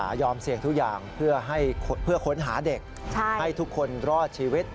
ยอมเสี่ยงทุกอย่างเพื่อค้นหาเด็กให้ทุกคนรอดชีวิต